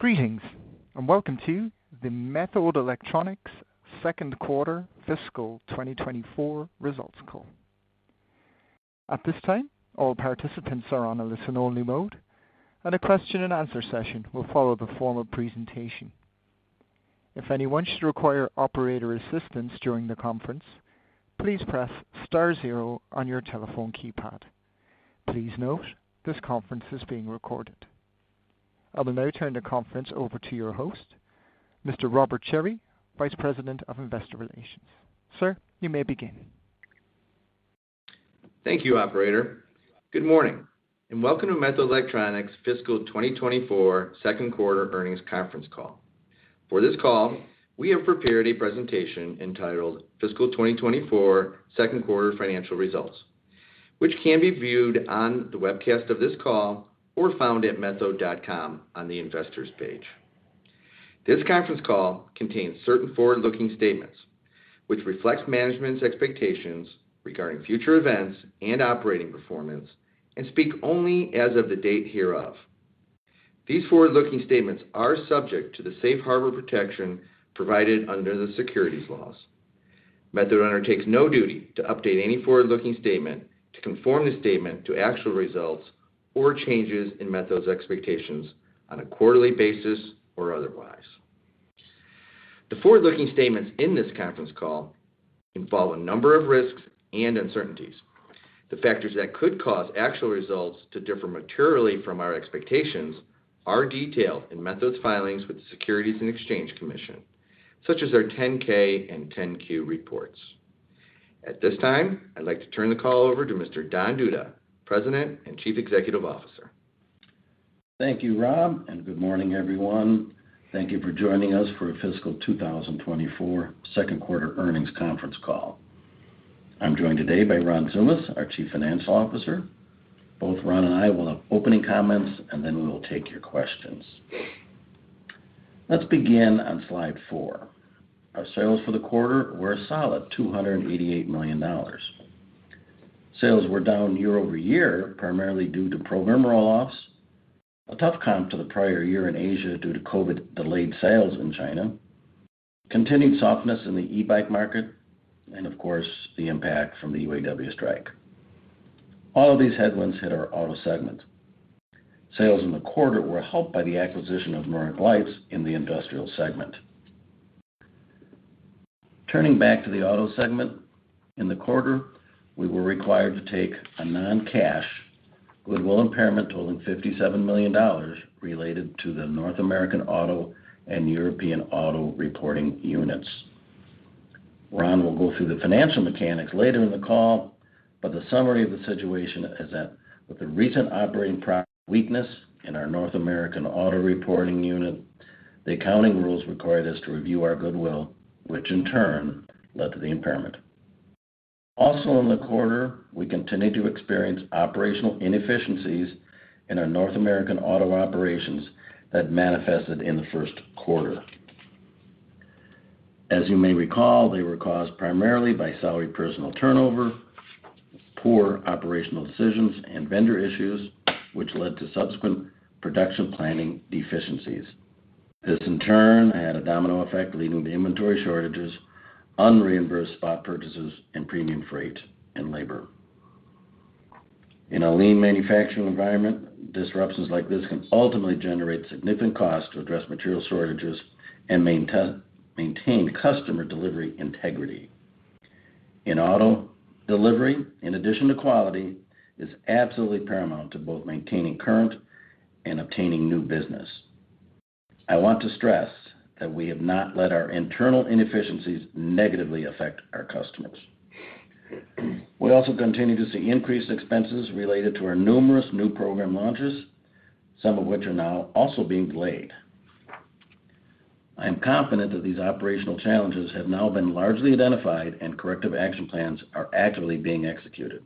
Greetings, and welcome to the Methode Electronics second quarter fiscal 2024 results call. At this time, all participants are on a listen-only mode, and a question-and-answer session will follow the formal presentation. If anyone should require operator assistance during the conference, please press star zero on your telephone keypad. Please note, this conference is being recorded. I will now turn the conference over to your host, Mr. Robert Cherry, Vice President of Investor Relations. Sir, you may begin. Thank you, operator. Good morning, and welcome to Methode Electronics fiscal 2024 second quarter earnings conference call. For this call, we have prepared a presentation entitled Fiscal 2024 Second Quarter Financial Results, which can be viewed on the webcast of this call or found at methode.com on the Investors page. This conference call contains certain forward-looking statements, which reflects management's expectations regarding future events and operating performance and speak only as of the date hereof. These forward-looking statements are subject to the safe harbor protection provided under the securities laws. Methode undertakes no duty to update any forward-looking statement to conform the statement to actual results or changes in Methode's expectations on a quarterly basis or otherwise. The forward-looking statements in this conference call involve a number of risks and uncertainties. The factors that could cause actual results to differ materially from our expectations are detailed in Methode's filings with the Securities and Exchange Commission, such as our 10-K and 10-Q reports. At this time, I'd like to turn the call over to Mr. Don Duda, President and Chief Executive Officer. Thank you, Rob, and good morning, everyone. Thank you for joining us for a fiscal 2024 second quarter earnings conference call. I'm joined today by Ron Tsoumas, our Chief Financial Officer. Both Ron and I will have opening comments, and then we will take your questions. Let's begin on slide four. Our sales for the quarter were a solid $288 million. Sales were down year-over-year, primarily due to program roll-offs, a tough comp to the prior year in Asia due to COVID-delayed sales in China, continued softness in the e-bike market, and of course, the impact from the UAW strike. All of these headwinds hit our auto segment. Sales in the quarter were helped by the acquisition of Nordic Lights in the industrial segment. Turning back to the auto segment, in the quarter, we were required to take a non-cash goodwill impairment totaling $57 million related to the North American Auto and European Auto reporting units. Ron will go through the financial mechanics later in the call, but the summary of the situation is that with the recent operating weakness in our North American Auto reporting unit, the accounting rules required us to review our goodwill, which in turn led to the impairment. Also in the quarter, we continued to experience operational inefficiencies in our North American Auto operations that manifested in the first quarter. As you may recall, they were caused primarily by salaried personnel turnover, poor operational decisions, and vendor issues, which led to subsequent production planning deficiencies. This in turn had a domino effect, leading to inventory shortages, unreimbursed spot purchases, and premium freight and labor. In a lean manufacturing environment, disruptions like this can ultimately generate significant costs to address material shortages and maintain customer delivery integrity. In auto, delivery, in addition to quality, is absolutely paramount to both maintaining current and obtaining new business. I want to stress that we have not let our internal inefficiencies negatively affect our customers. We also continue to see increased expenses related to our numerous new program launches, some of which are now also being delayed. I am confident that these operational challenges have now been largely identified and corrective action plans are actively being executed.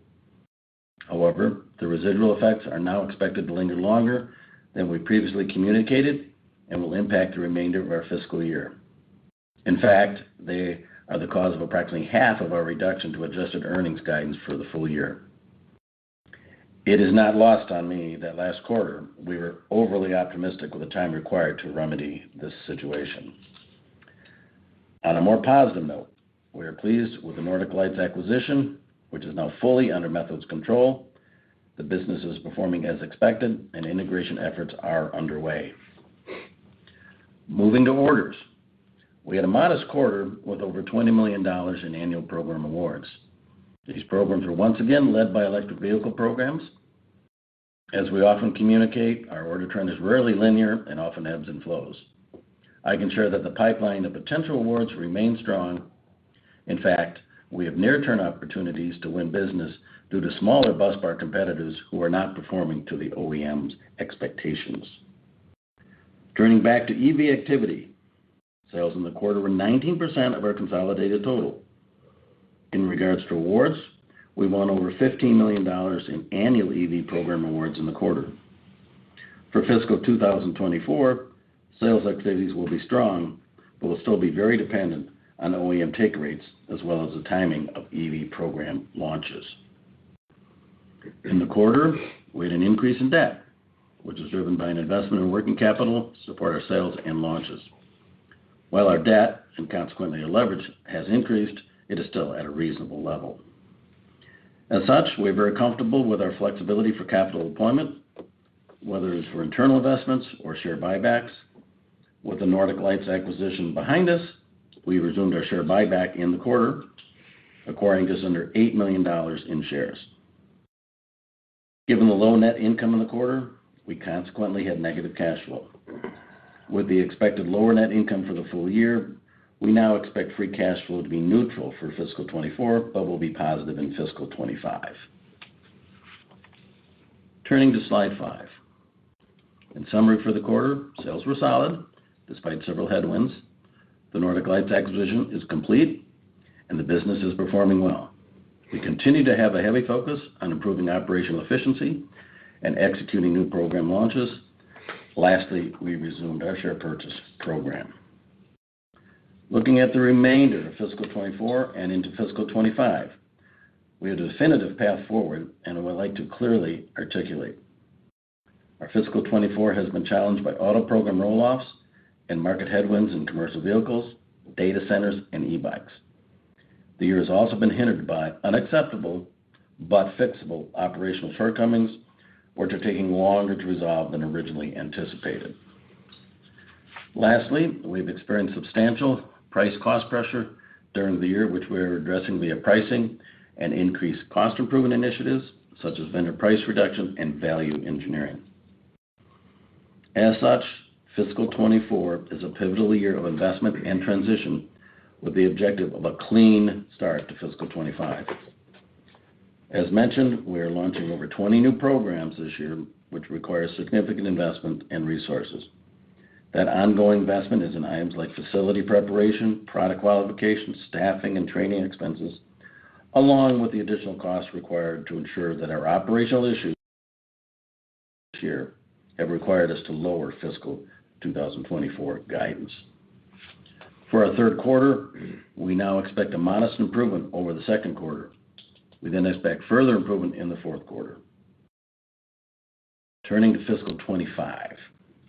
However, the residual effects are now expected to linger longer than we previously communicated and will impact the remainder of our fiscal year. In fact, they are the cause of approximately half of our reduction to adjusted earnings guidance for the full year. It is not lost on me that last quarter we were overly optimistic with the time required to remedy this situation. On a more positive note, we are pleased with the Nordic Lights acquisition, which is now fully under Methode's control. The business is performing as expected and integration efforts are underway. Moving to orders. We had a modest quarter with over $20 million in annual program awards. These programs were once again led by electric vehicle programs. As we often communicate, our order trend is rarely linear and often ebbs and flows. I can share that the pipeline of potential awards remains strong. In fact, we have near-term opportunities to win business due to smaller bus bar competitors who are not performing to the OEM's expectations. Turning back to EV activity, sales in the quarter were 19% of our consolidated total. In regards to awards, we won over $15 million in annual EV program awards in the quarter. For fiscal 2024, sales activities will be strong, but will still be very dependent on OEM take rates as well as the timing of EV program launches. In the quarter, we had an increase in debt, which was driven by an investment in working capital to support our sales and launches. While our debt, and consequently our leverage, has increased, it is still at a reasonable level. As such, we're very comfortable with our flexibility for capital deployment, whether it's for internal investments or share buybacks. With the Nordic Lights acquisition behind us, we resumed our share buyback in the quarter, acquiring just under $8 million in shares. Given the low net income in the quarter, we consequently had negative cash flow. With the expected lower net income for the full year, we now expect free cash flow to be neutral for fiscal 2024, but will be positive in fiscal 2025. Turning to slide five. In summary for the quarter, sales were solid despite several headwinds. The Nordic Lights acquisition is complete, and the business is performing well. We continue to have a heavy focus on improving operational efficiency and executing new program launches. Lastly, we resumed our share purchase program. Looking at the remainder of fiscal 2024 and into fiscal 2025, we have a definitive path forward, and I would like to clearly articulate. Our fiscal 2024 has been challenged by auto program roll-offs and market headwinds in commercial vehicles, data centers, and e-bikes. The year has also been hindered by unacceptable but fixable operational shortcomings, which are taking longer to resolve than originally anticipated. Lastly, we've experienced substantial price cost pressure during the year, which we are addressing via pricing and increased cost improvement initiatives, such as vendor price reduction and value engineering. As such, fiscal 2024 is a pivotal year of investment and transition, with the objective of a clean start to fiscal 2025. As mentioned, we are launching over 20 new programs this year, which requires significant investment and resources. That ongoing investment is in items like facility preparation, product qualification, staffing, and training expenses, along with the additional costs required to ensure that our operational issues here have required us to lower fiscal 2024 guidance. For our third quarter, we now expect a modest improvement over the second quarter. We then expect further improvement in the fourth quarter. Turning to fiscal 2025,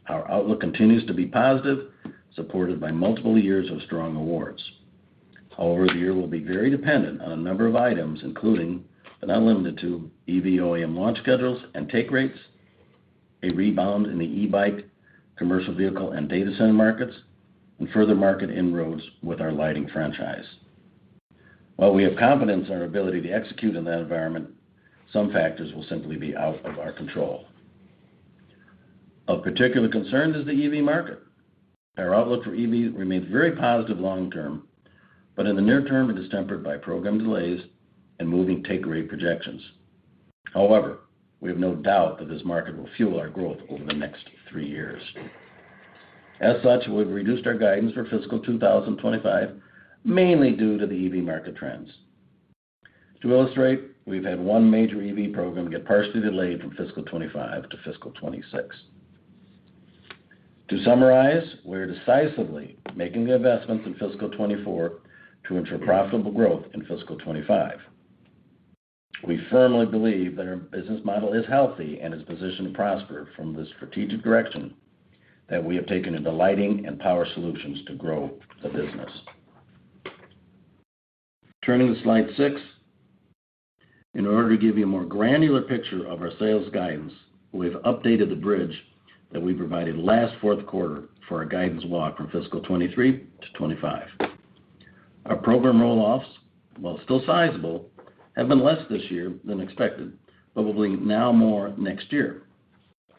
our outlook continues to be positive, supported by multiple years of strong awards. However, the year will be very dependent on a number of items, including, but not limited to, EV OEM launch schedules and take rates, a rebound in the e-bike, commercial vehicle, and data center markets, and further market inroads with our lighting franchise. While we have confidence in our ability to execute in that environment, some factors will simply be out of our control. Of particular concern is the EV market. Our outlook for EV remains very positive long term, but in the near term, it is tempered by program delays and moving take rate projections. However, we have no doubt that this market will fuel our growth over the next three years. As such, we've reduced our guidance for fiscal 2025, mainly due to the EV market trends. To illustrate, we've had one major EV program get partially delayed from fiscal 2025 to fiscal 2026. To summarize, we're decisively making the investments in fiscal 2024 to ensure profitable growth in fiscal 2025. We firmly believe that our business model is healthy and is positioned to prosper from the strategic direction that we have taken in the lighting and power solutions to grow the business. Turning to slide six. In order to give you a more granular picture of our sales guidance, we've updated the bridge that we provided last fourth quarter for our guidance walk from fiscal 2023 to 2025. Our program roll-offs, while still sizable, have been less this year than expected, but will be now more next year.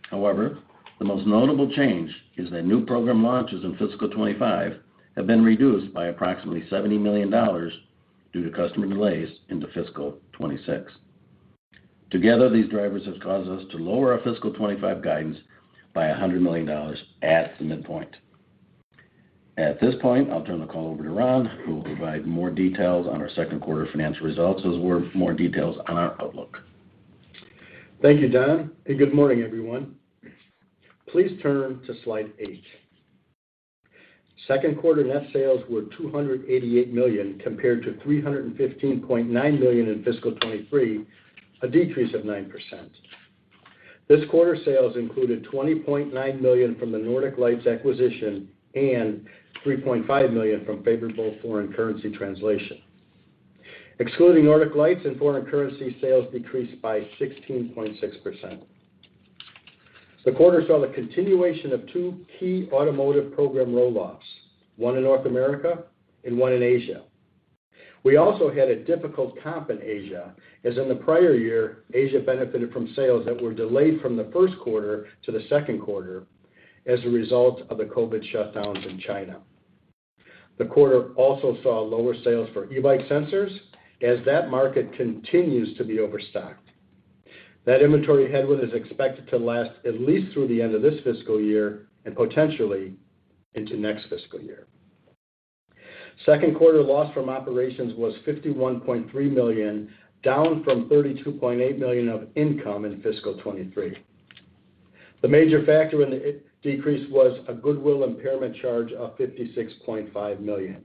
However, the most notable change is that new program launches in fiscal 2025 have been reduced by approximately $70 million due to customer delays into fiscal 2026. Together, these drivers have caused us to lower our fiscal 2025 guidance by $100 million at the midpoint. At this point, I'll turn the call over to Ron, who will provide more details on our second quarter financial results, as well as more details on our outlook. Thank you, Don, and good morning, everyone. Please turn to slide eight. Second quarter net sales were $288 million, compared to $315.9 million in fiscal 2023, a decrease of 9%. This quarter's sales included $20.9 million from the Nordic Lights acquisition and $3.5 million from favorable foreign currency translation. Excluding Nordic Lights and foreign currency, sales decreased by 16.6%. The quarter saw the continuation of two key automotive program roll-offs, one in North America and one in Asia. We also had a difficult comp in Asia, as in the prior year, Asia benefited from sales that were delayed from the first quarter to the second quarter as a result of the COVID shutdowns in China. The quarter also saw lower sales for e-bike sensors as that market continues to be overstocked. That inventory headwind is expected to last at least through the end of this fiscal year and potentially into next fiscal year. Second quarter loss from operations was $51.3 million, down from $32.8 million of income in fiscal 2023. The major factor in the decrease was a goodwill impairment charge of $56.5 million.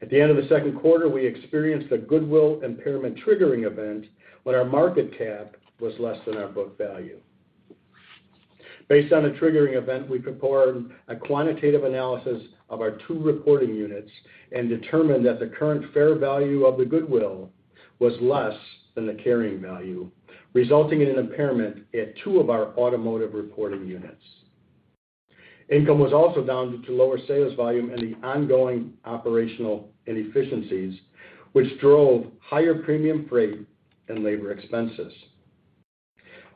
At the end of the second quarter, we experienced a goodwill impairment triggering event when our market cap was less than our book value. Based on the triggering event, we performed a quantitative analysis of our two reporting units and determined that the current fair value of the goodwill was less than the carrying value, resulting in an impairment at two of our automotive reporting units. Income was also down due to lower sales volume and the ongoing operational inefficiencies, which drove higher premium freight and labor expenses.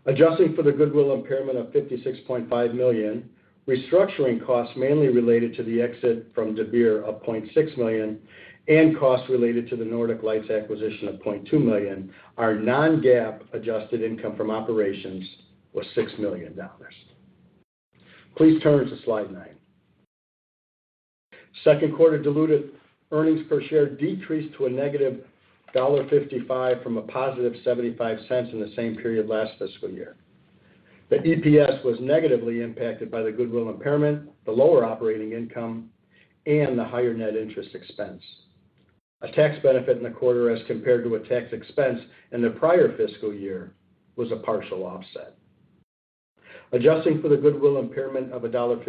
Adjusting for the goodwill impairment of $56.5 million, restructuring costs mainly related to the exit from Dabir of $0.6 million, and costs related to the Nordic Lights acquisition of $0.2 million, our non-GAAP adjusted income from operations was $6 million. Please turn to slide nine. Second quarter diluted earnings per share decreased to a -$0.55 from a +$0.75 in the same period last fiscal year. The EPS was negatively impacted by the goodwill impairment, the lower operating income, and the higher net interest expense. A tax benefit in the quarter as compared to a tax expense in the prior fiscal year was a partial offset. Adjusting for the goodwill impairment of $1.58,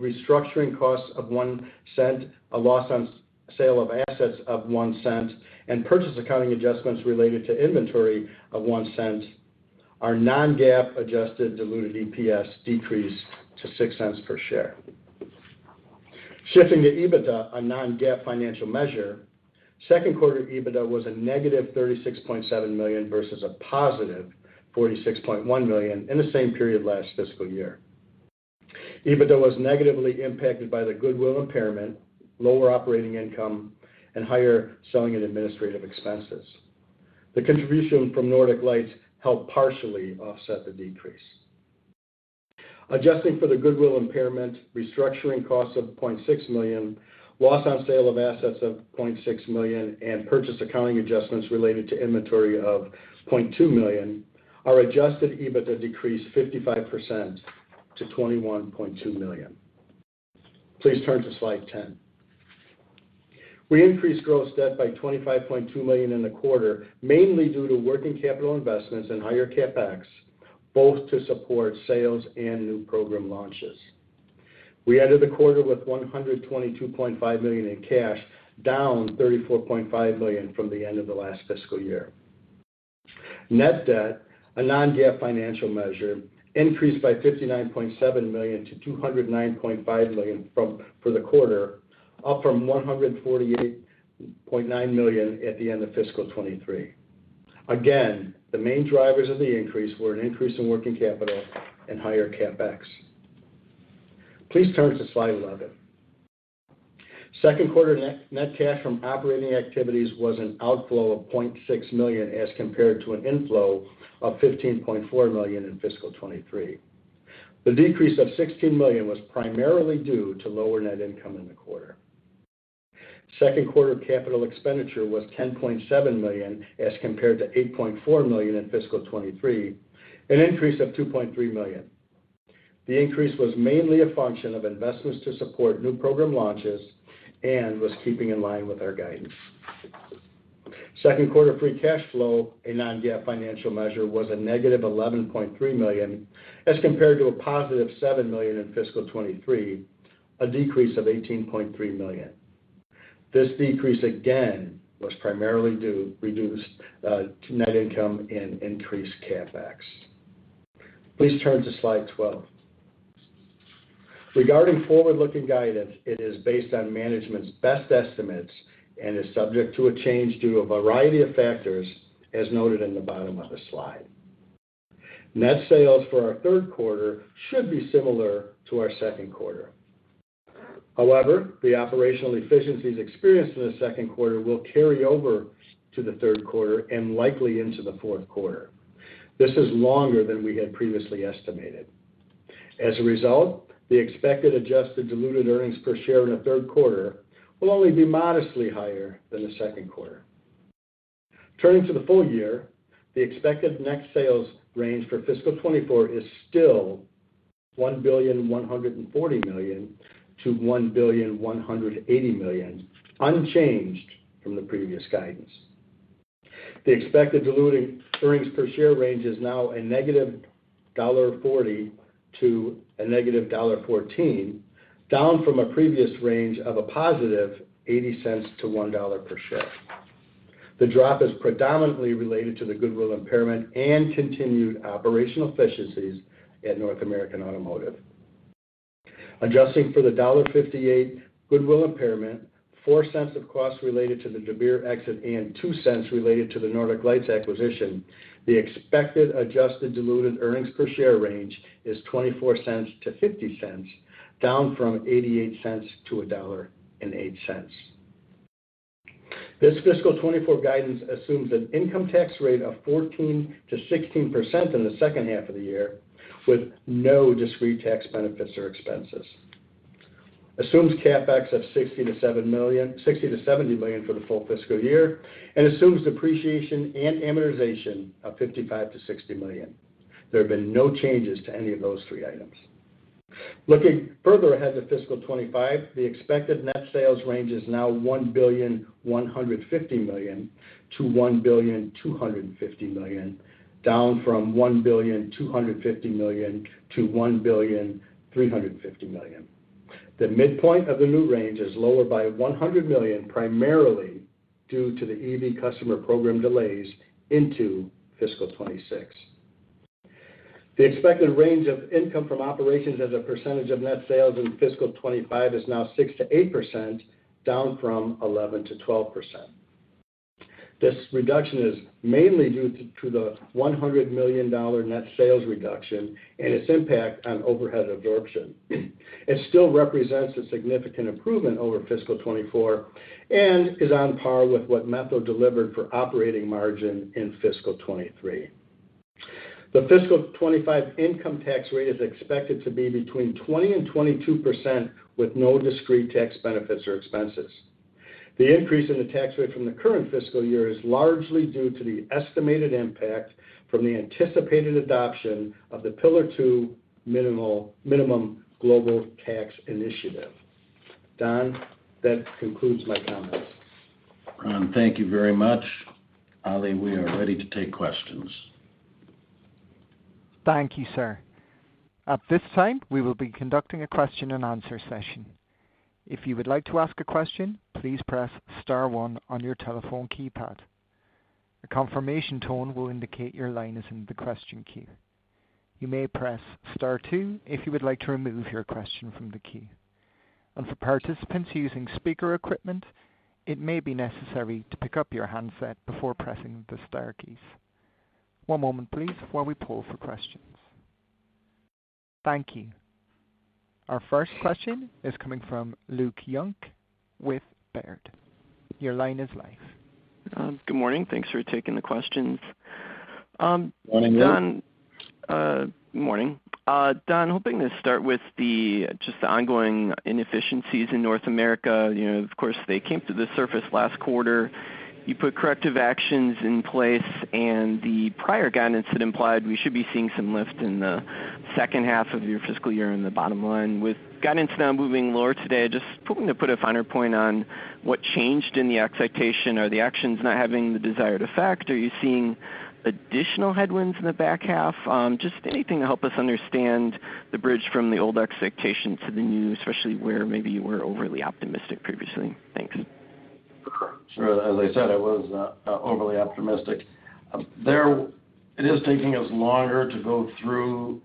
restructuring costs of $0.01, a loss on sale of assets of $0.01, and purchase accounting adjustments related to inventory of $0.01, our non-GAAP adjusted diluted EPS decreased to $0.06 per share. Shifting to EBITDA, a non-GAAP financial measure, second quarter EBITDA was a negative $36.7 million versus a positive $46.1 million in the same period last fiscal year. EBITDA was negatively impacted by the goodwill impairment, lower operating income, and higher selling and administrative expenses. The contribution from Nordic Lights helped partially offset the decrease. Adjusting for the goodwill impairment, restructuring costs of $0.6 million, loss on sale of assets of $0.6 million, and purchase accounting adjustments related to inventory of $0.2 million, our adjusted EBITDA decreased 55% to $21.2 million. Please turn to slide 10. We increased gross debt by $25.2 million in the quarter, mainly due to working capital investments and higher CapEx, both to support sales and new program launches. We ended the quarter with $122.5 million in cash, down $34.5 million from the end of the last fiscal year. Net debt, a non-GAAP financial measure, increased by $59.7 million to $209.5 million from-- for the quarter, up from $148.9 million at the end of fiscal 2023. Again, the main drivers of the increase were an increase in working capital and higher CapEx. Please turn to slide 11. Second quarter net cash from operating activities was an outflow of $0.6 million, as compared to an inflow of $15.4 million in fiscal 2023. The decrease of $16 million was primarily due to lower net income in the quarter. Second quarter capital expenditure was $10.7 million, as compared to $8.4 million in fiscal 2023, an increase of $2.3 million. The increase was mainly a function of investments to support new program launches and was keeping in line with our guidance. Second quarter free cash flow, a non-GAAP financial measure, was -$11.3 million, as compared to $7 million in fiscal 2023, a decrease of $18.3 million. This decrease, again, was primarily due to net income and increased CapEx. Please turn to slide 12. Regarding forward-looking guidance, it is based on management's best estimates and is subject to a change due to a variety of factors, as noted in the bottom of the slide. Net sales for our third quarter should be similar to our second quarter. However, the operational efficiencies experienced in the second quarter will carry over to the third quarter and likely into the fourth quarter. This is longer than we had previously estimated. As a result, the expected adjusted diluted earnings per share in the third quarter will only be modestly higher than the second quarter. Turning to the full year, the expected net sales range for fiscal 2024 is still $1.14 billion-$1.18 billion, unchanged from the previous guidance. The expected diluted earnings per share range is now -$0.40 to -$0.14, down from a previous range of $0.80-$1.00 per share. The drop is predominantly related to the goodwill impairment and continued operational efficiencies at North American Automotive. Adjusting for the $1.58 goodwill impairment, $0.04 of costs related to the Dabir exit, and $0.02 related to the Nordic Lights acquisition, the expected adjusted diluted earnings per share range is $0.24-$0.50, down from $0.88-$1.08. This fiscal 2024 guidance assumes an income tax rate of 14%-16% in the second half of the year, with no discrete tax benefits or expenses. Assumes CapEx of $60-$70 million, $60-$70 million for the full fiscal year, and assumes depreciation and amortization of $55 million-$60 million. There have been no changes to any of those three items. Looking further ahead to fiscal 2025, the expected net sales range is now $1.15 billion-$1.25 billion, down from $1.25 billion-$1.35 billion. The midpoint of the new range is lower by $100 million, primarily due to the EV customer program delays into fiscal 2026. The expected range of income from operations as a percentage of net sales in fiscal 2025 is now 6%-8%, down from 11%-12%. This reduction is mainly due to the $100 million net sales reduction and its impact on overhead absorption. It still represents a significant improvement over fiscal 2024 and is on par with what Methode delivered for operating margin in fiscal 2023. The fiscal 2025 income tax rate is expected to be between 20% and 22%, with no discrete tax benefits or expenses. The increase in the tax rate from the current fiscal year is largely due to the estimated impact from the anticipated adoption of the Pillar Two Minimum Global Tax Initiative. Don, that concludes my comments. Ron, thank you very much. Ali, we are ready to take questions. Thank you, sir. At this time, we will be conducting a question and answer session. If you would like to ask a question, please press star one on your telephone keypad. A confirmation tone will indicate your line is in the question queue. You may press star two if you would like to remove your question from the queue. For participants using speaker equipment, it may be necessary to pick up your handset before pressing the star keys. One moment, please, while we pull for questions. Thank you. Our first question is coming from Luke Junk with Baird. Your line is live. Good morning. Thanks for taking the questions. Morning, Luke. Don, good morning. Don, hoping to start with just the ongoing inefficiencies in North America. You know, of course, they came to the surface last quarter. You put corrective actions in place, and the prior guidance had implied we should be seeing some lift in the second half of your fiscal year in the bottom line. With guidance now moving lower today, just hoping to put a finer point on what changed in the expectation. Are the actions not having the desired effect? Are you seeing additional headwinds in the back half? Just anything to help us understand the bridge from the old expectation to the new, especially where maybe you were overly optimistic previously. Thanks. Sure. As I said, I was overly optimistic. There it is taking us longer to go through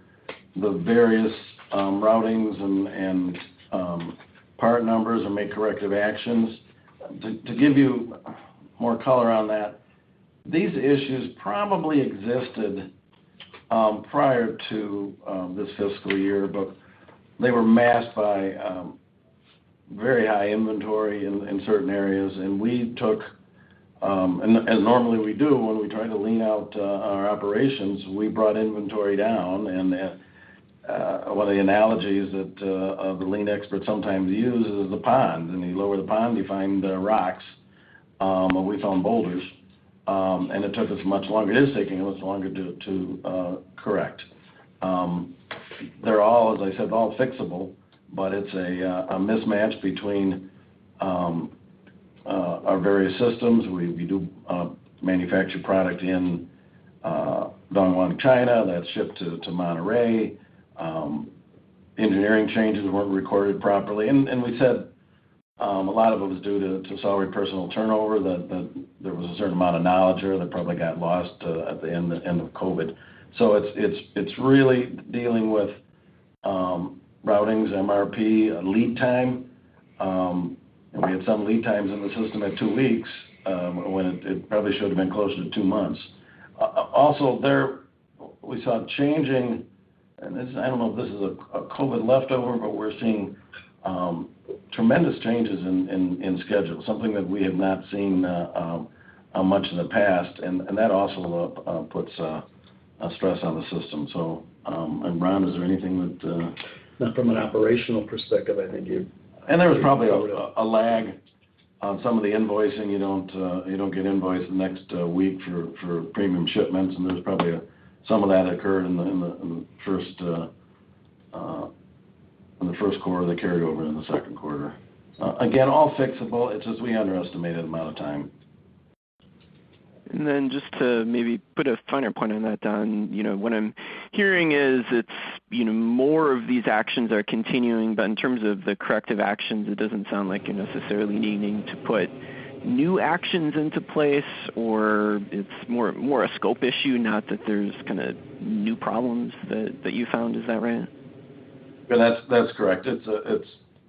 the various routings and part numbers and make corrective actions. To give you more color on that, these issues probably existed prior to this fiscal year, but they were masked by very high inventory in certain areas. And we took and normally we do when we try to lean out our operations, we brought inventory down, and one of the analogies that the lean expert sometimes uses is the pond. When you lower the pond, you find the rocks and we found boulders. And it took us much longer. It is taking us longer to correct. They're all, as I said, all fixable, but it's a mismatch between our various systems. We do manufacture product in Dongguan, China, that's shipped to Monterrey. Engineering changes weren't recorded properly. And we said a lot of it was due to senior personnel turnover, that there was a certain amount of knowledge there that probably got lost at the end of COVID. So it's really dealing with routings, MRP, and lead time. And we had some lead times in the system at two weeks, when it probably should have been closer to two months. Also, there we saw a changing, and this... I don't know if this is a COVID leftover, but we're seeing tremendous changes in schedule, something that we have not seen much in the past, and that also puts a stress on the system. So, Ron, is there anything that Not from an operational perspective, I think you- And there was probably a lag on some of the invoicing. You don't get invoiced the next week for premium shipments, and there's probably some of that occurred in the first quarter. They carried over in the second quarter. Again, all fixable, it's just we underestimated the amount of time. And then just to maybe put a finer point on that, Don, you know, what I'm hearing is it's, you know, more of these actions are continuing, but in terms of the corrective actions, it doesn't sound like you're necessarily needing to put new actions into place, or it's more a scope issue, not that there's kind of new problems that you found. Is that right? Yeah, that's correct. It's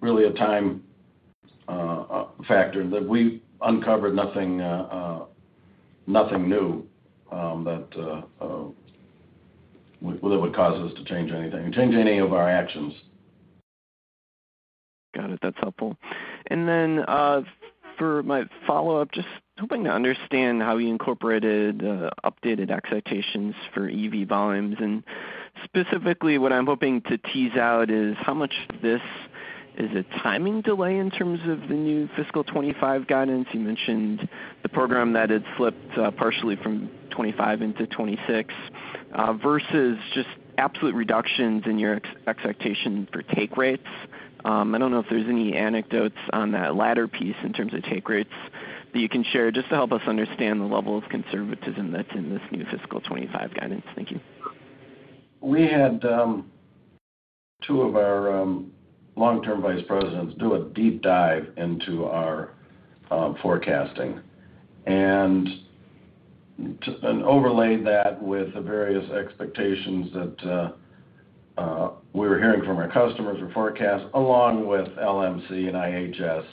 really a time factor that we've uncovered nothing new, well, that would cause us to change anything, change any of our actions. Got it. That's helpful. Then, for my follow-up, just hoping to understand how you incorporated updated expectations for EV volumes. Specifically, what I'm hoping to tease out is how much this is a timing delay in terms of the new fiscal 2025 guidance. You mentioned the program that had slipped partially from 2025 into 2026 versus just absolute reductions in your expectation for take rates. I don't know if there's any anecdotes on that latter piece in terms of take rates that you can share, just to help us understand the level of conservatism that's in this new fiscal 2025 guidance. Thank you. We had two of our long-term vice presidents do a deep dive into our forecasting, and overlaid that with the various expectations that we were hearing from our customers or forecasts, along with LMC and IHS,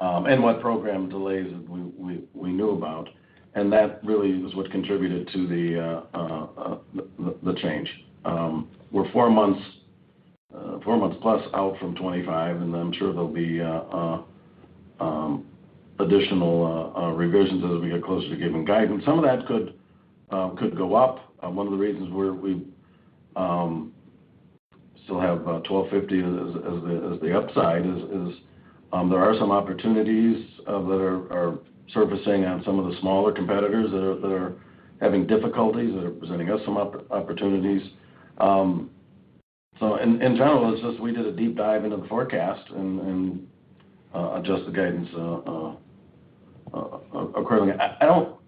and what program delays we knew about. And that really was what contributed to the change. We're four months plus out from 2025, and I'm sure there'll be additional revisions as we get closer to giving guidance. Some of that could go up. One of the reasons we're we still have $12.50 as the upside is there are some opportunities that are surfacing on some of the smaller competitors that are having difficulties that are presenting us some opportunities. So in general, it's just we did a deep dive into the forecast and adjusted the guidance accordingly. I don't...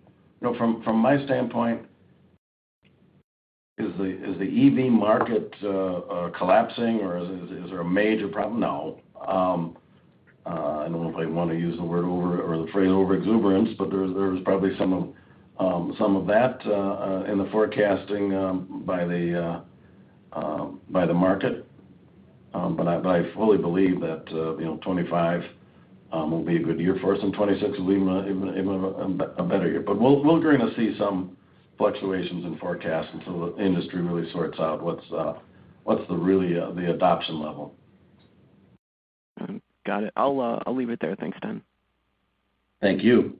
You know, from my standpoint, is the EV market collapsing, or is there a major problem? No. I don't know if I want to use the word over or the phrase overexuberance, but there was probably some of that in the forecasting by the market. But I fully believe that, you know, 2025 will be a good year for us, and 2026 will be even a better year. But we're going to see some fluctuations in forecasts until the industry really sorts out what's really the adoption level. Got it. I'll leave it there. Thanks, Don. Thank you.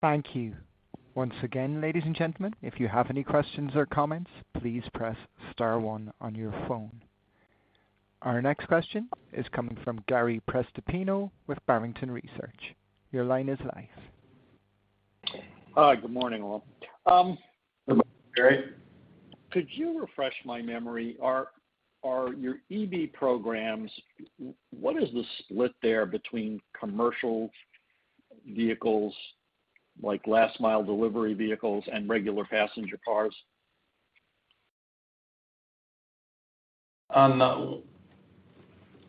Thank you. Once again, ladies and gentlemen, if you have any questions or comments, please press star one on your phone. Our next question is coming from Gary Prestopino with Barrington Research. Your line is live. Hi, good morning, all. Good morning, Gary. Could you refresh my memory? Are your EV programs, what is the split there between commercial vehicles, like last mile delivery vehicles and regular passenger cars? On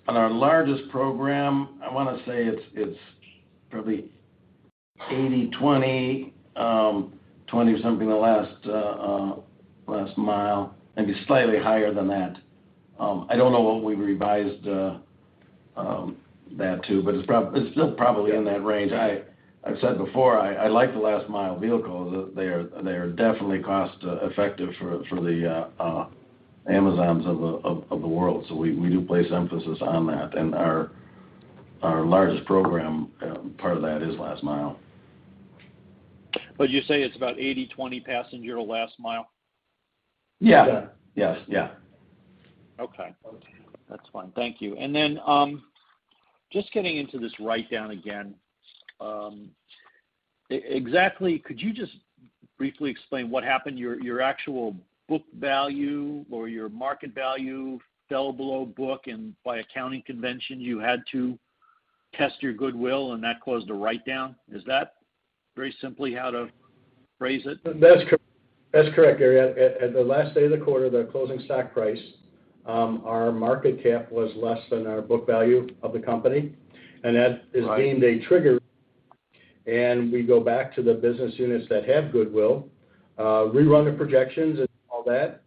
our largest program, I wanna say it's probably 80-20, 20-something, last mile. Maybe slightly higher than that. I don't know what we revised that to, but it's still probably in that range. I've said before, I like the last mile vehicles. They are definitely cost effective for the Amazons of the world. So we do place emphasis on that, and our largest program, part of that is last mile. You say it's about 80-20 passenger to last mile? Yeah. Yes. Yeah. Okay. That's fine. Thank you. And then, just getting into this write down again. Exactly could you just briefly explain what happened? Your actual book value or your market value fell below book, and by accounting convention, you had to test your goodwill, and that caused a write down. Is that very simply how to phrase it? That's correct. That's correct, Gary. At the last day of the quarter, the closing stock price, our market cap was less than our book value of the company, and that- Right. - is deemed a trigger, and we go back to the business units that have goodwill, rerun the projections and all that,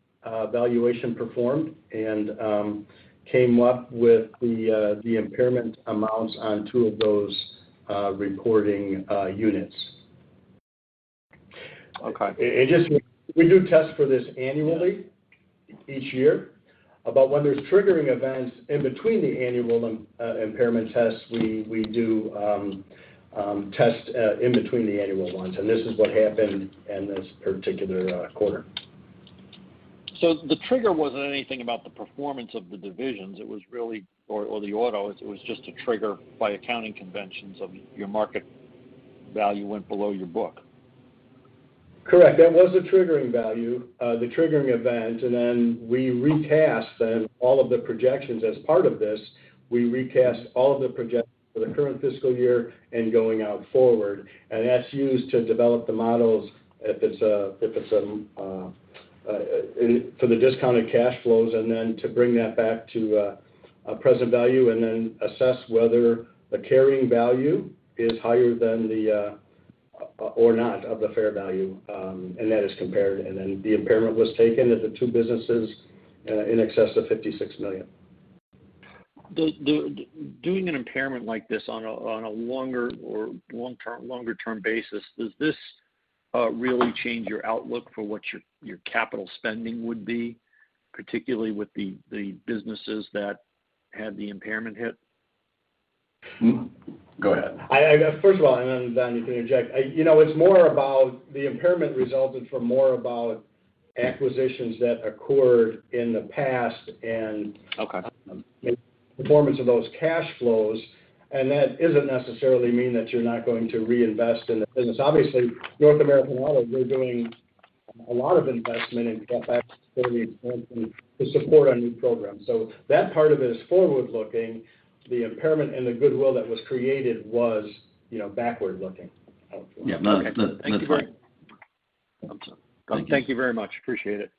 valuation performed, and came up with the impairment amounts on two of those reporting units. Okay. And just, we do test for this annually, each year. But when there's triggering events in between the annual impairment tests, we do test in between the annual ones, and this is what happened in this particular quarter. The trigger wasn't anything about the performance of the divisions, it was really... or the autos, it was just a trigger by accounting conventions of your market value went below your book. Correct. That was the triggering value, the triggering event, and then we recast then all of the projections as part of this, we recast all of the projections for the current fiscal year and going out forward. And that's used to develop the models, if it's for the discounted cash flows, and then to bring that back to a present value, and then assess whether the carrying value is higher than the or not of the fair value, and that is compared. And then the impairment was taken at the two businesses, in excess of $56 million. Doing an impairment like this on a longer- or long-term basis, does this really change your outlook for what your capital spending would be, particularly with the businesses that had the impairment hit? Hmm? Go ahead. First of all, and then, Don, you can interject. You know, it's more about the impairment resulted from more about acquisitions that occurred in the past and- Okay. Performance of those cash flows, and that isn't necessarily mean that you're not going to reinvest in the business. Obviously, North American Auto, they're doing a lot of investment in, to support our new program. So that part of it is forward-looking. The impairment and the goodwill that was created was, you know, backward-looking. Yeah. No, no, that's right. Thank you very- Absolutely. Thank you very much. Appreciate it.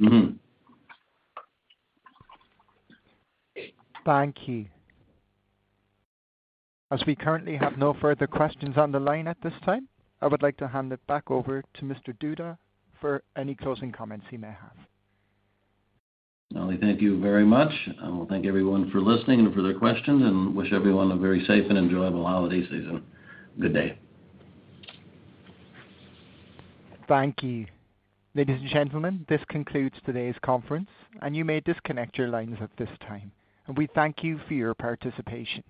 Mm-hmm. Thank you. As we currently have no further questions on the line at this time, I would like to hand it back over to Mr. Duda for any closing comments he may have. Well, we thank you very much, and we thank everyone for listening and for their questions, and wish everyone a very safe and enjoyable holiday season. Good day. Thank you. Ladies and gentlemen, this concludes today's conference, and you may disconnect your lines at this time. We thank you for your participation.